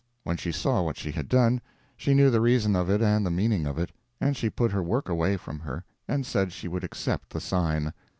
When she saw what she had done, she knew the reason of it and the meaning of it; and she put her work away from her and said she would accept the sign.